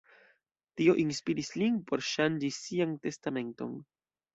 Tio inspiris lin por ŝanĝi sian testamenton.